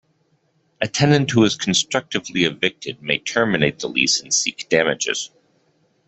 A tenant who is constructively evicted may terminate the lease and seek damages.